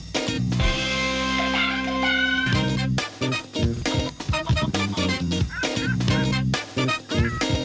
โปรดติดตามตอนต่อไป